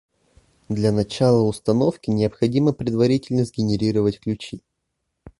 Для начала установки необходимо предварительно сгенерировать ключи